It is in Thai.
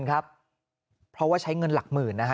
ตอนนี้ขอเอาผิดถึงที่สุดยืนยันแบบนี้